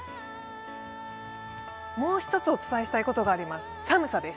もう一つお伝えしたいことがあります、寒さです。